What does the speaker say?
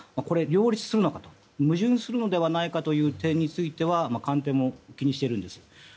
これ両立するのか矛盾するのかという点については官邸も気にしているんです。